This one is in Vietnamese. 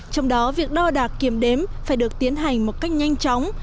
trong đó việc đo đạc kiểm đếm phải được tiến hành một cách nhanh chóng